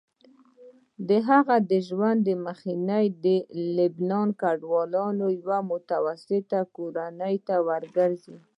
د هغه د ژوند مخینه د لبنان کډوالو یوې متوسطې کورنۍ ته ورګرځي.